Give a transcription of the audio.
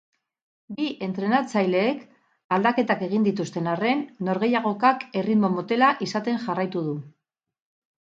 Bi entrenatzaileek aldaketak egin dituzten arren, norgehiagokak erritmo motela izaten jarraitu du.